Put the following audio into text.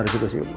ya bener juga sih